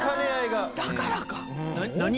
だからか。